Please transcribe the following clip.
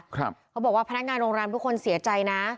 เขาบอกว่าพนักงานโรงแรมทุกคนเสียใจนะ